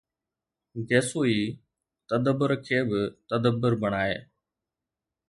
گيسوئي تَدبر کي به تَدبر بڻائي